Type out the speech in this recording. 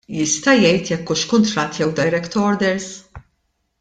Jista' jgħid jekk hux kuntratt jew direct orders?